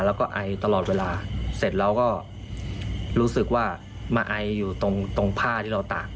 แล้วก็ไอตลอดเวลาเสร็จเราก็รู้สึกว่ามาไออยู่ตรงผ้าที่เราตาก